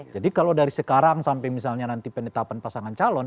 jadi kalau dari sekarang sampai misalnya nanti penetapan pasangan calon